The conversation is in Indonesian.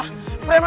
nggak mau diketuk